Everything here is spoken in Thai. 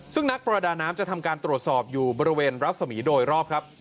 ซึ่งนักประดาน้ำจะทำการตรวจสอบอยู่บริเวณรัศมีร์โดยรอบครับ